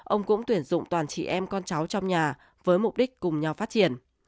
ông cũng tuyển dụng toàn chị em con cháu trong nhà với mục đích cùng nhau phát triển